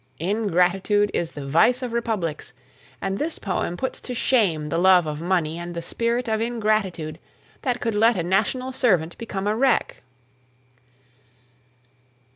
"Ingratitude is the vice of republics," and this poem puts to shame the love of money and the spirit of ingratitude that could let a national servant become a wreck.